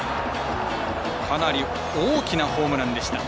かなり大きなホームランでした。